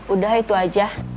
udah itu aja